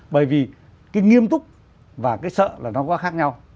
bởi vì cái nghiêm túc và cái sợ là nó có khác nhau